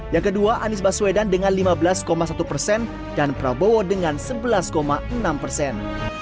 yang kedua anies baswedan dengan lima belas satu persen dan prabowo dengan sebelas enam persen